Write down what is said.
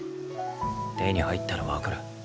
手に入ったら分かる。